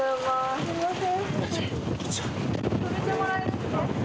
すみません。